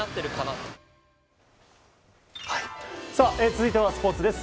続いてはスポーツです。